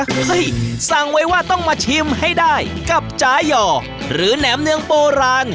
เฮ้ยสั่งไว้ว่าต้องมาชิมให้ได้กับจ๋าย่อหรือแหนมเนืองโบราณ